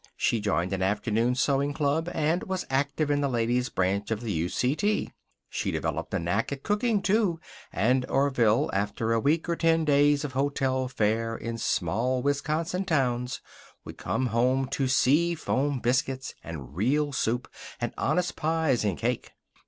She joined an afternoon sewing club, and was active in the ladies' branch of the U.C.T. She developed a knack at cooking, too, and Orville, after a week or ten days of hotel fare in small Wisconsin towns, would come home to sea foam biscuits, and real soup, and honest pies and cake.